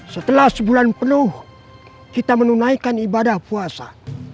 setelah sebulan penuh kita menunaikan ibadah puasa